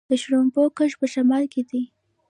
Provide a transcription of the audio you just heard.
د شړشمو کښت په شمال کې دی.